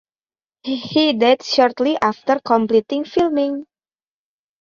He died shortly after completing filming.